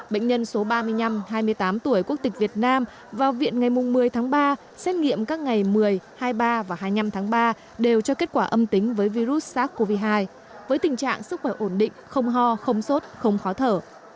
bệnh nhân số ba mươi năm hai mươi tám tuổi quốc tịch việt nam vào viện ngày một mươi tháng ba xét nghiệm các ngày một mươi hai mươi ba và hai mươi năm tháng ba đều cho kết quả âm tính với virus sars cov hai với tình trạng sức khỏe ổn định không ho không sốt không khó thở